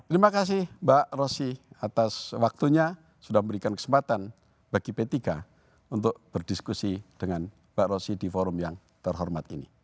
terima kasih mbak rosy atas waktunya sudah memberikan kesempatan bagi p tiga untuk berdiskusi dengan mbak rosy di forum yang terhormat ini